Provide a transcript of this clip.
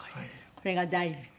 これが大事。